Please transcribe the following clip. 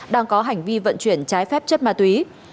đang có hành vi vận chuyển trái phép chất ma túy